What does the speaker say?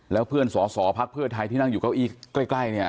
แล้วเพื่อนสอสอพักเพื่อไทยที่นั่งอยู่เก้าอี้ใกล้เนี่ย